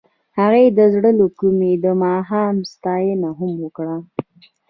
هغې د زړه له کومې د ماښام ستاینه هم وکړه.